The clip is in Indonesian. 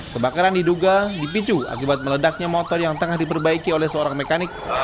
kebakaran diduga dipicu akibat meledaknya motor yang tengah diperbaiki oleh seorang mekanik